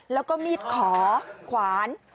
แล้วก็มีดขอขวาน